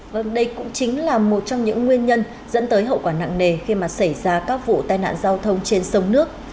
và đây cũng chính là một trong những nguyên nhân dẫn tới hậu quả nặng nề khi mà xảy ra các vụ tai nạn giao thông trên sông nước